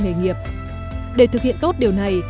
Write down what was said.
nghề nghiệp để thực hiện tốt điều này